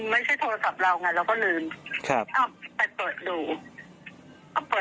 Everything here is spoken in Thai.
แม่ได้เอาโทรศัพท์ไปให้กับอเทรยะเนี่ยจริงไหมแม่